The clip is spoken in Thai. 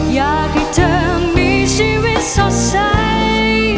อยากให้เธอมีชีวิตสดใส